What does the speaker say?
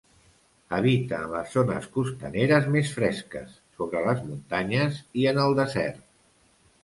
Habita en les zones costaneres més fresques, sobre les muntanyes i en el desert.